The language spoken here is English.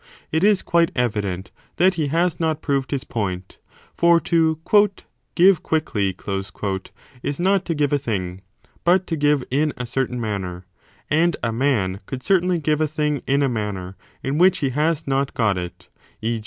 It is quite evident that he has not proved 5 his point : for to give quickly is not to give a thing, but to give in a certain manner ; and a man could certainly give a thing in a manner in which he has not got it, e.